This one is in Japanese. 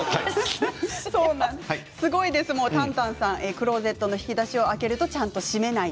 クローゼットの引き出しを開けるとちゃんと閉めない。